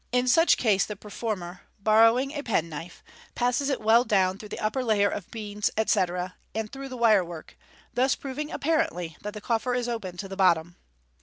In such case the performer, borrowing a penknife, passes it well down through the upper layer of beans, etc., and through the wirework, thus proving (apparently) that the coffer is open to the bottom.